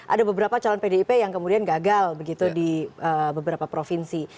ada beberapa calon pdip yang kemudian gagal begitu di beberapa provinsi